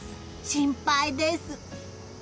心配です。